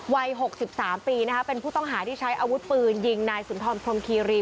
วัย๖๓ปีนะคะเป็นผู้ต้องหาที่ใช้อาวุธปืนยิงนายสุนทรพรมคีรี